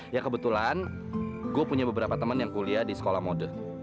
ya kebetulan gue punya beberapa teman yang kuliah di sekolah mode